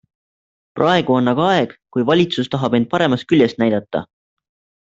Praegu on aga aeg, kui valitsus tahab end paremast küljest näidata.